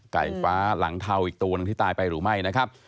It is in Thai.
ไก่ฟ้าหลังเทาอีกตัวหนึ่งที่ตายไปหรือไม่นะครับ